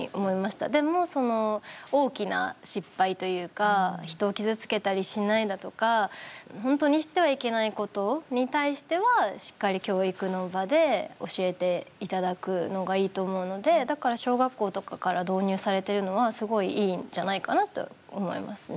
でも大きな失敗というか人を傷つけたりしないだとか本当にしてはいけないことに対してはしっかり教育の場で教えていただくのがいいと思うのでだから小学校とかから導入されてるのはすごいいいんじゃないかなと思いますね。